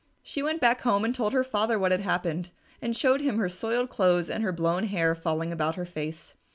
She went back home and told her father what had happened, and showed him her soiled clothes and her blown hair falling about her face.